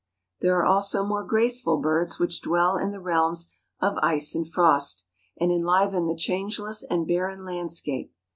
There are also more graceful birds which dwell in the realms of ice and frost, and enliven the changeless and barren landscape.